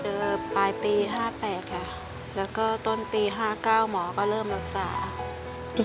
เจอปลายปี๕๘และก็ต้นปี๕๙หมอก็เริ่มรักษา